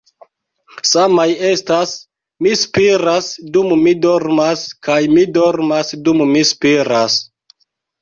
Samaj estas 'Mi spiras dum mi dormas' kaj 'Mi dormas dum mi spiras.'"